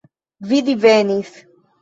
Vi divenis.